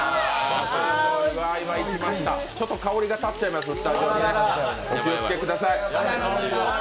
ちょっと香りが立っちゃいますスタジオにね、お気をつけくださいよ。